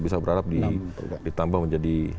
bisa berharap ditambah menjadi